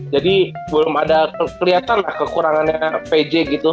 jadi belum ada keliatan lah kekurangannya pj gitu